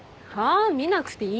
見なくていいから。